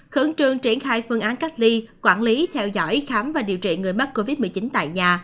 khẩn trương triển khai phương án cách ly quản lý theo dõi khám và điều trị người mắc covid một mươi chín tại nhà